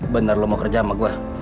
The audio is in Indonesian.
bener lo mau kerja sama gue